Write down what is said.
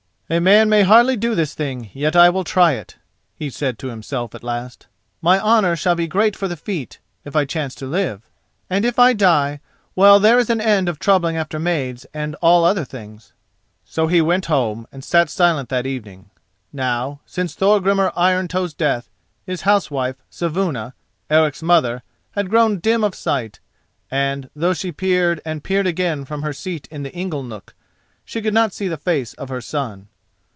"A man may hardly do this thing; yet I will try it," he said to himself at last. "My honour shall be great for the feat, if I chance to live, and if I die—well, there is an end of troubling after maids and all other things." So he went home and sat silent that evening. Now, since Thorgrimur Iron Toe's death, his housewife, Saevuna, Eric's mother, had grown dim of sight, and, though she peered and peered again from her seat in the ingle nook, she could not see the face of her son.